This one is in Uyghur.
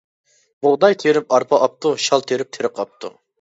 بۇغداي تېرىپ ئارپا ئاپتۇ، شال تېرىپ تېرىق ئاپتۇ.